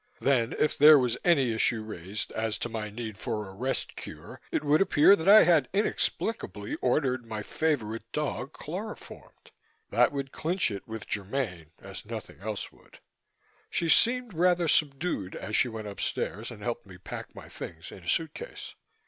Then, if there was any issue raised as to my need for a rest cure, it would appear that I had inexplicably ordered my favorite dog chloroformed. That would clinch it with Germaine as nothing else could. She seemed rather subdued as she went upstairs and helped me pack my things in a suitcase.